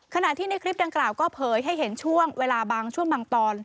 ขณะที่ในคลิปดังกล่าวก็เผยให้เห็นช่วงเวลาบางช่วงบางตอน